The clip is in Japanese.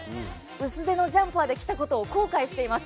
薄手のジャンパーで来たことを後悔しています。